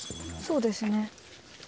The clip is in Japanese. そうですね。